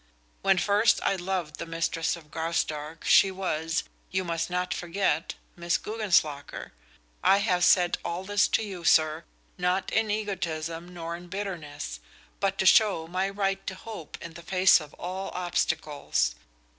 When first I loved the mistress of Graustark she was, you must not forget, Miss Guggenslocker. I have said all this to you, sir, not in egotism nor in bitterness, but to show my right to hope in the face of all obstacles.